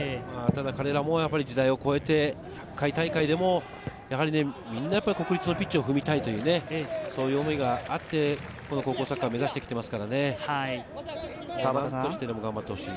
彼らも時代を超えて１００回大会でもやはりみんな国立のピッチを踏みたいという、そういう思いがあって高校サッカーを目指してきていますからね。